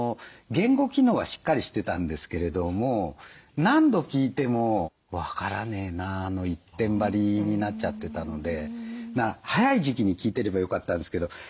言語機能はしっかりしてたんですけれども何度聞いても「分からねえな」の一点張りになっちゃってたのでまあ早い時期に聞いてればよかったんですけど。